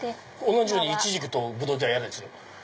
同じようにイチジクとブドウじゃ嫌ですよ。